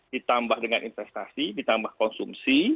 ditambah dengan investasi ditambah konsumsi